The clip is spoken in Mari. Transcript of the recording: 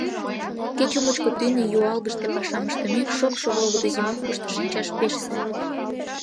Кече мучко тӱнӧ, юалгыште, пашам ыштымек, шокшо, волгыдо зимовкышто шинчаш пеш сай.